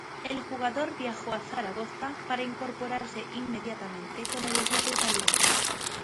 El jugador viajó a Zaragoza para incorporarse inmediatamente con el equipo italiano.